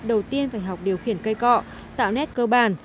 đầu tiên phải học điều khiển cây cọ tạo nét cơ bản